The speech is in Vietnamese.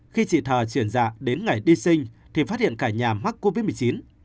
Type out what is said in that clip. khi chị thở chuyển dạ đến ngày đi sinh thì phát hiện cả nhà mất covid một mươi chín